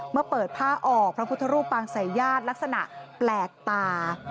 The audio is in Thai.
เมื่อเปิดผ้าออกพระพุทธรูปปางสายญาติลักษณะแปลกตา